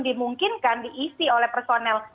dimungkinkan diisi oleh personel